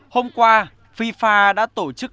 hôm qua fifa đã tổ chức